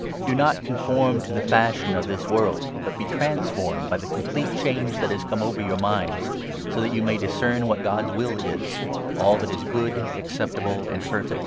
Do not conform to the fashion of this world ; but be trans 2 formed by the complete change that has come over your minds, so that you may discern what God's will is — all that is good, acceptable, and perfect.